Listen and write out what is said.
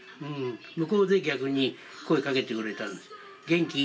向こうで、逆に声かけてくれたの。